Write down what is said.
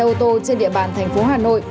ô tô trên địa bàn thành phố hà nội